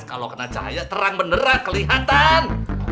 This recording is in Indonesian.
kalau kena cahaya terang beneran kelihatan